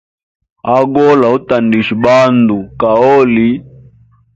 Agole hauandisha bandu kaoli.